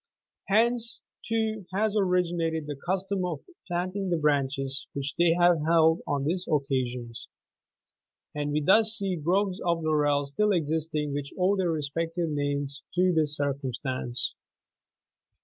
Hence, too, has originated the custom of planting the branches which they have held on these occasions, and we°thus see groves of laurel still existing which owe their respective names to this circumstance.